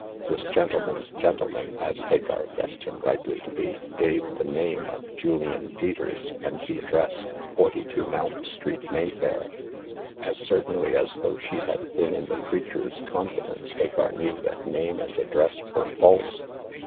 This " gentleman's gentleman "— as Hagar guessed him rightly to be — gave the name of Julian Peters, and the address 42, Mount Street, Mayfair. As certainly as though she had been in the creature's confidence, Hagar knew that name and address were false.